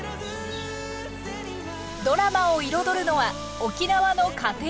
ドラマを彩るのは沖縄の家庭料理。